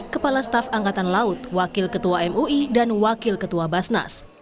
kepala staf angkatan laut wakil ketua mui dan wakil ketua basnas